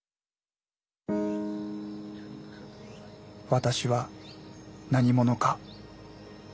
私は何者か。